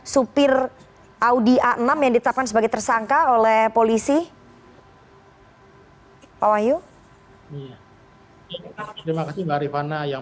supir audi a enam yang ditetapkan sebagai tersangka oleh polisi hai oh ayo terima kasih barifana yang